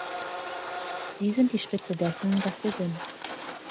Sie sind die Spitze dessen, was wir sind.